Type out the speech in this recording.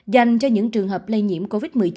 dành cho những trường hợp lây nhiễm covid một mươi chín